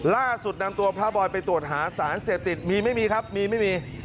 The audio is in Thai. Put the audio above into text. ล่าสุดนำตัวพระบอยไปตรวจหาสารเสพติดมีไม่มีครับมีไม่มี